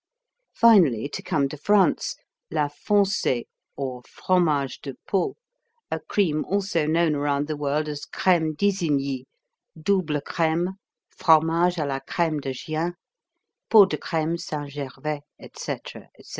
Finally, to come to France, la Foncée or Fromage de Pau, a cream also known around the world as Crême d'Isigny, Double Crême, Fromage à la Crême de Gien, Pots de Crême St. Gervais, etc. etc.